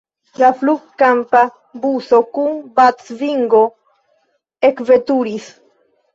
La flugkampa buso kun batsvingo ekveturis.